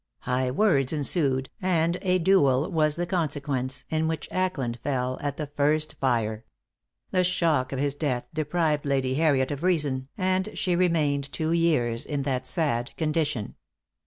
High words ensued, and a duel was the consequence, in which Ackland fell at the first fire. The shock of his death deprived Lady Harriet of reason, and she remained two years in that sad condition.